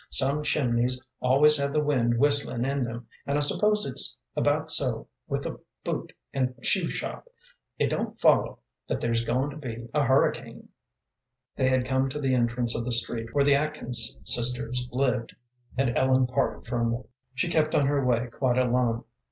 Some chimneys always have the wind whistling in them, and I suppose it's about so with a boot and shoe shop. It don't follow that there's going to be a hurricane." They had come to the entrance of the street where the Atkins sisters lived, and Ellen parted from them. She kept on her way quite alone.